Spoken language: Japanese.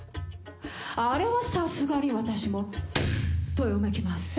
あれはさすがに私もどよめきます。